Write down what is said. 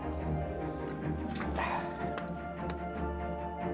atau rusa itu yang berlari cepat